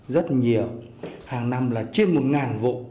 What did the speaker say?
rất nhiều hàng năm là trên một ngàn vụ